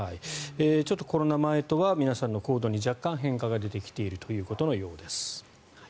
ちょっとコロナ前とは皆さんの行動に若干、変化が出てきているということのようです。